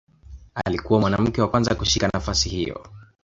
Alikuwa mwanamke wa kwanza kushika nafasi hiyo.